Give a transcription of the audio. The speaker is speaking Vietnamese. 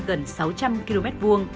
gần sáu trăm linh km hai